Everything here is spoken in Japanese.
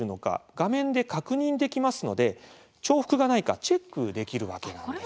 画面で確認できますので重複がないかチェックできるわけなんです。